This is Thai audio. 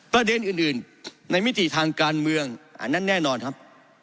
ประเด็นอื่นในมิติทางการเมืองอันนั้นแน่นอนครับ